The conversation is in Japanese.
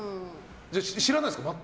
知らないんですか？